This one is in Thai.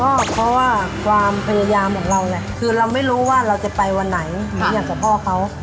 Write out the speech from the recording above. ก็เพราะว่าความพยายามของเราแหละคือเราไม่รู้ว่าเราจะไปวันไหนหรืออยากจะพ่อเขา